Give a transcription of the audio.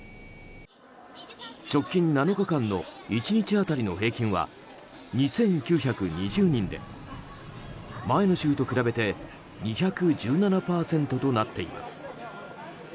直近７日間の１日当たりの平均は２９２０人で前の週と比べて２１７％となっています。